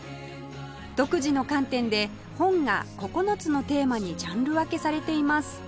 独自の観点で本が９つのテーマにジャンル分けされています